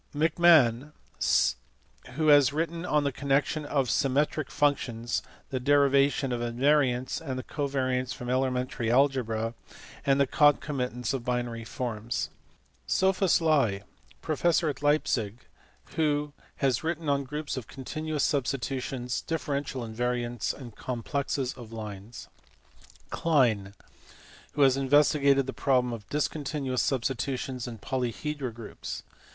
462), who has written on the connection of symmetric functions, the derivation of invariants and covariants from elementary algebra, and the concomitants of binary forms. Sophus Lie, professor at Leipzig (see below, p. 482), who has written on groups of continuous substitutions, differential invariants, and complexes of lines. Klein (see above, pp. 469 70, 470 1), who has investigated the problem of discontinuous substitutions and polyhedral groups.